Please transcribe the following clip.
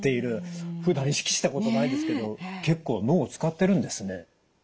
ふだん意識したことないですけど結構脳を使ってるんですね。